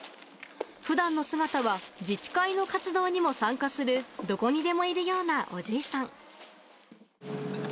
ふだんの姿は、自治会の活動にも参加する、どこにでもいるようなおじいさん。